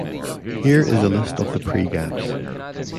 Here is a list of the pregaps.